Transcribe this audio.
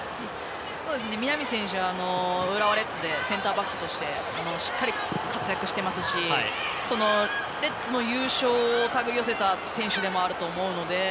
南選手は浦和レッズでセンターバックとして活躍してますし、レッズの優勝を手繰り寄せた選手でもあると思うので。